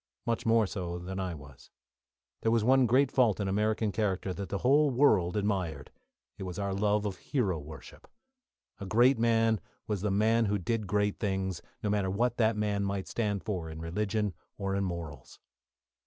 Much more so than I was. There was one great fault in American character that the whole world admired; it was our love of hero worship. A great man was the man who did great things, no matter what that man might stand for in religion or in morals.